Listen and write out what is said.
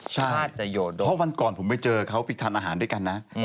ใช่เพราะวันก่อนผมไปเจอเขาไปทานอาหารด้วยกันนะ